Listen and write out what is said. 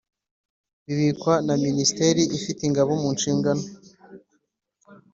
bibikwa na Minisiteri ifite Ingabo mu nshingano